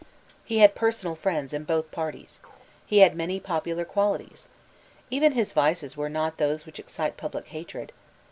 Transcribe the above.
He had personal friends in both parties. He had many popular qualities. Even his vices were not those which excite public hatred.